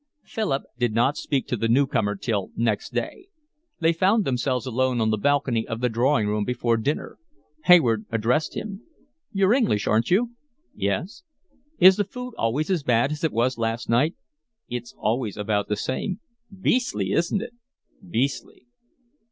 Philip did not speak to the newcomer till next day. They found themselves alone on the balcony of the drawing room before dinner. Hayward addressed him. "You're English, aren't you?" "Yes." "Is the food always as bad it was last night?" "It's always about the same." "Beastly, isn't it?" "Beastly."